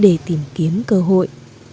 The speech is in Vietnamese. để tìm kiếm cơ hội